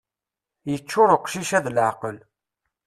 Yeččur uqcic-a d leɛqel.